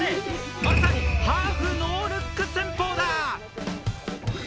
まさにハーフノールック戦法だ！